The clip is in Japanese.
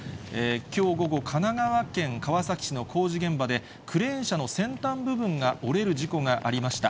きょう午後、神奈川県川崎市の工事現場で、クレーン車の先端部分が折れる事故がありました。